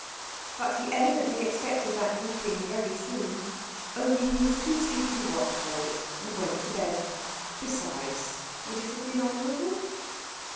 But he evidently expected that grouping very soon. Only he was too sleepy to watch for it, and went to bed. Besides, would it have been honourable?